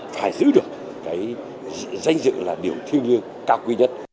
phải giữ được cái danh dự là điều thiêng lương cao quý nhất